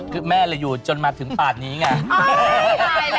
แม่แหละอยู่จนมาถึงปากนี้ไง